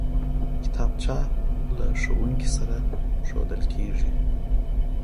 کتابچه له ښوونکي سره ښودل کېږي